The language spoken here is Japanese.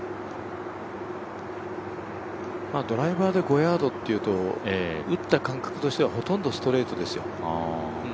ドライバーで５ヤードというと打った感覚としてはほとんどストレートですよ。